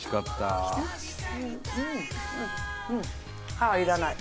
「歯いらない」